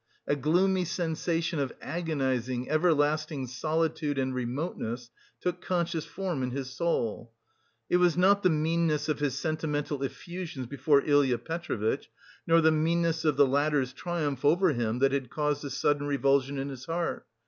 A gloomy sensation of agonising, everlasting solitude and remoteness, took conscious form in his soul. It was not the meanness of his sentimental effusions before Ilya Petrovitch, nor the meanness of the latter's triumph over him that had caused this sudden revulsion in his heart.